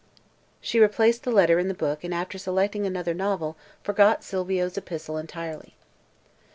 She replaced the letter in the book and after selecting another novel forgot Silvio's epistle entirely.